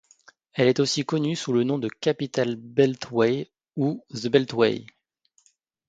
Elle est aussi connue sous le nom de Capital Beltway ou the Beltway.